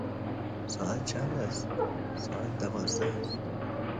ساعت چند است؟ ساعت دوازده است.